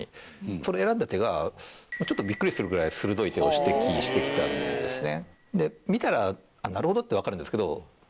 その選んだ手がちょっとビックリするぐらい鋭い手を指摘してきたんですね。